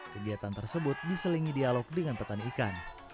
kegiatan tersebut diselingi dialog dengan petani ikan